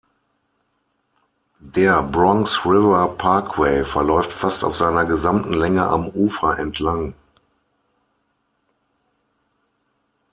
Der Bronx River Parkway verläuft fast auf seiner gesamten Länge am Ufer entlang.